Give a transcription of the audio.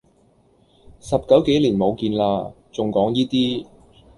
十九幾年冇見啦，仲講依啲